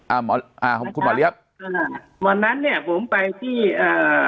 อ่าหมออ่าของคุณหมอเลี้ยวันนั้นเนี้ยผมไปที่อ่า